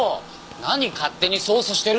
何勝手に捜査してるんですか！